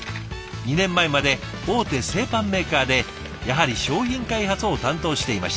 ２年前まで大手製パンメーカーでやはり商品開発を担当していました。